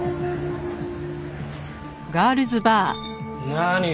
何？